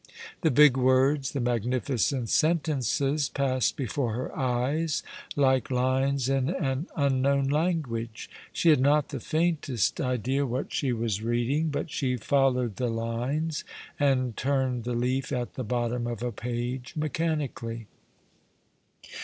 The big words, the magnificent sentences, passed before her eyes like lines in an unknown language. She had not the faintest idea what she was reading ; but she followed the lines and turned the leaf at the bottom of a page mechanically.